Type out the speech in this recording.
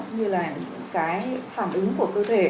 như là những cái phản ứng của cơ thể